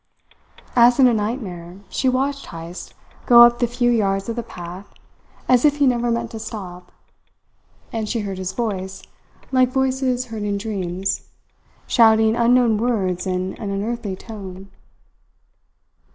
As in a nightmare she watched Heyst go up the few yards of the path as if he never meant to stop; and she heard his voice, like voices heard in dreams, shouting unknown words in an unearthly tone.